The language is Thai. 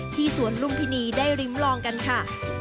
สวนลุมพินีได้ริมลองกันค่ะ